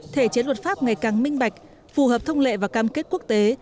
thể chế luật pháp ngày càng minh bạch phù hợp thông lệ và cam kết quốc tế